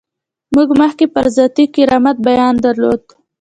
موږ مخکې پر ذاتي کرامت بیان درلود.